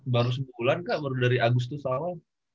baru sebulan kak baru dari agustus awal